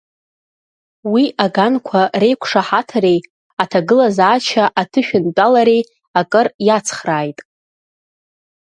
Уи аганқәа реиқәшаҳаҭреи аҭагылазаашьа аҭышәынтәалареи акыр иацхрааит.